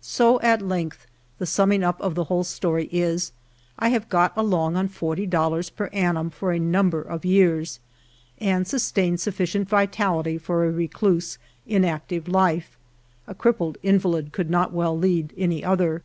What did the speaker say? So at length the summing up of the whole story is, I have got along on forty dollars per annum for a number of years, and sustained sufficient vitality for a recluse, inactive life; a crippled invalid could not well lead any other.